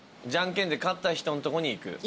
じゃんけんで勝った人んとこに行く。